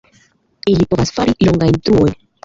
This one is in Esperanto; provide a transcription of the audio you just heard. Ili povas fari longajn truojn.